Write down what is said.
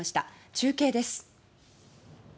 中継です。